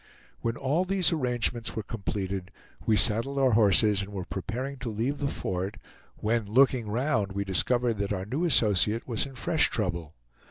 When all these arrangements were completed we saddled our horses and were preparing to leave the fort, when looking round we discovered that our new associate was in fresh trouble.